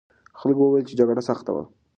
خلکو وویل چې جګړه سخته وه.